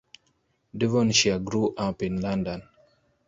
Devonshire grew up in London.